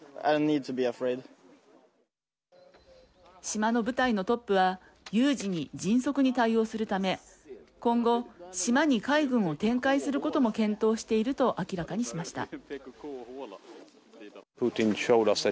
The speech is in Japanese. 島の部隊のトップは有事に迅速に対応するため今後、島に海軍を展開することも検討していると明らかにしました。